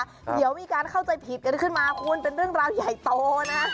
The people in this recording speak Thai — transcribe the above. เดี๋ยวมีการเข้าใจผิดกันขึ้นมาคุณเป็นเรื่องราวใหญ่โตนะ